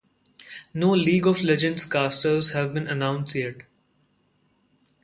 No "League of Legends" casters have been announced yet.